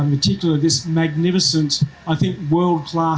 saya pikir fasilitas kelas dunia yang luar biasa